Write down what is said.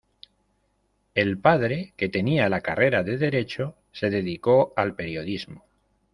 El padre, que tenía la carrera de derecho, se dedicó al periodismo.